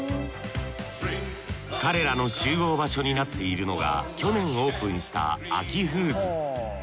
彼らの集合場所になっているのが去年オープンしたアキフーズ。